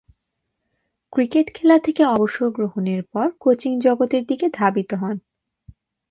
Cricket খেলা থেকে অবসর গ্রহণের পর কোচিং জগতের দিকে ধাবিত হন।